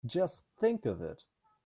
Just think of it!